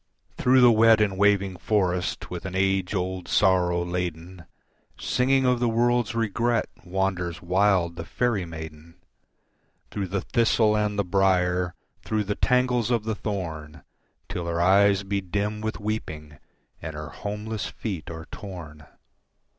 Through the wet and waving forest with an age old sorrow laden Singing of the world's regret wanders wild the faerie maiden, Through the thistle and the brier, through the tangles of the thorn, Till her eyes be dim with weeping and her homeless feet are torn.